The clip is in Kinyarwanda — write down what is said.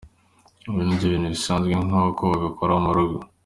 Ibi ni ibintu bisanzwe, nkuko ubikora mu rugo.